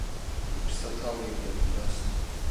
Иԥсы ҭалоит иаргьы нас.